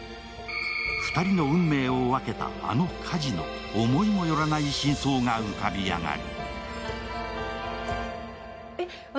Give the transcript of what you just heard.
２人の運命を分けた、あの火事の思いもよらない真相が浮かび上がる。